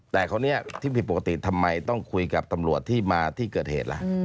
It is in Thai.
แต่คนนี้ที่ผิดปกติทำไมต้องคุยกับตำรวจที่มาที่เกิดเหตุล่ะ